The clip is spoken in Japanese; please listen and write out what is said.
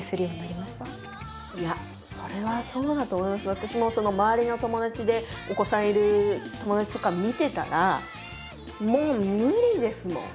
私も周りの友達でお子さんいる友達とか見てたらもう無理ですもん。